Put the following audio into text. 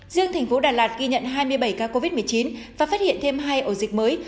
riêng thành phố đà lạt ghi nhận hai mươi bảy ca covid một mươi chín và phát hiện thêm hai ổ dịch mới